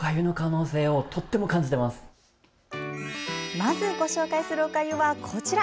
まずご紹介するおかゆはこちら。